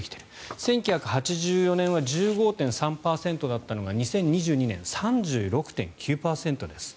１９８４年は１５．３％だったのが２０２２年、３６．９％です。